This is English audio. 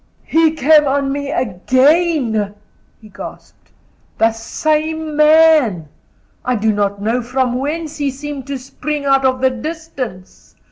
"He came on me again," he gasped; "the same man, I do not know from whence he seemed to spring out of the distance.